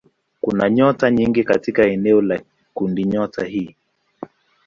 Kuna nyota nyingi katika eneo la kundinyota hii.